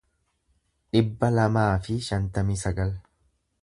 dhibba lamaa fi shantamii sagal